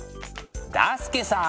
だすけさ！